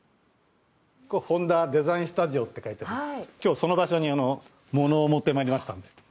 ここホンダデザインスタジオって書いてあって今日その場所にモノを持ってまいりましたんですけど。